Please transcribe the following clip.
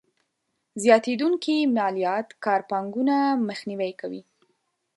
زياتېدونکې ماليات کار پانګونه مخنیوی کوي.